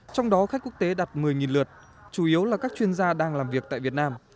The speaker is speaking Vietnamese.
trong đó khách quốc tế đạt một mươi lượt chủ yếu là các chuyên gia đang làm việc tại việt nam